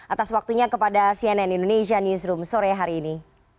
atas waktunya kepada cnn indonesia newsroom sore hari ini